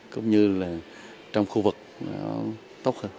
cũng như là trong khu vực tốt hơn